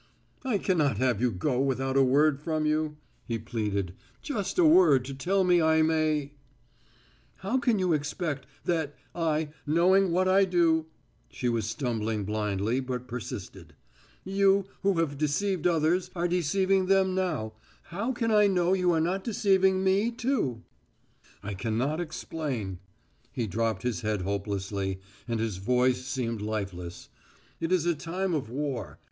"I can not have you go without a word from you," he pleaded. "Just a word to tell me I may " "How can you expect that I knowing what I do " She was stumbling blindly, but persisted: "You, who have deceived others, are deceiving them now how can I know you are not deceiving me, too?" "I can not explain." He dropped his head hopelessly, and his voice seemed lifeless. "It is a time of war.